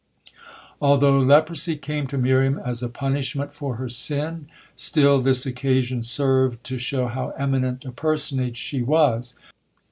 Although leprosy came to Miriam as a punishment for her sin, still this occasion served to show how eminent a personage she was.